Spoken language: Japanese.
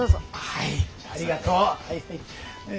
はいありがとう。